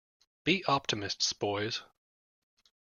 Be optimists, boys.